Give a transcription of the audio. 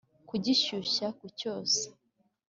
kugishyushya kucyosa